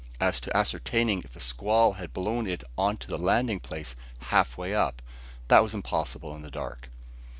As to ascertaining if a squall had blown it on to the landing place, half way up, that was impossible in the dark.